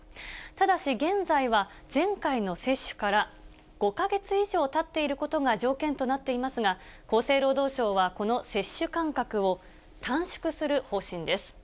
ただし現在は、前回の接種から５か月以上たっていることが条件となっていますが、厚生労働省はこの接種間隔を短縮する方針です。